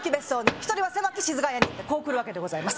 「一人は狭き賤が家に」ってこうくるわけでございます